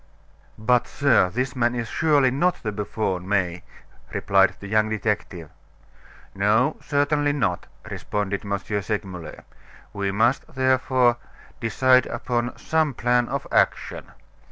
"But, sir, this man is surely not the buffoon, May," replied the young detective. "No, certainly not," responded M. Segmuller; "we must, therefore, decide upon some plan of action."